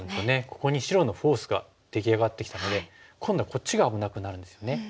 ここに白のフォースが出来上がってきたので今度はこっちが危なくなるんですよね。